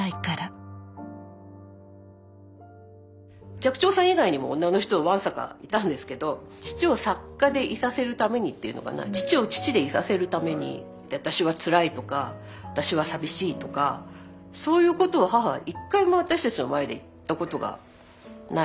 寂聴さん以外にも女の人はわんさかいたんですけど父を作家でいさせるためにっていうのかな父を父でいさせるために私はつらいとか私は寂しいとかそういうことを母は一回も私たちの前で言ったことがない。